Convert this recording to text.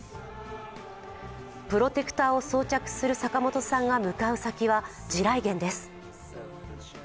プロテクターを装着する坂本さんが向かう先は地雷原です。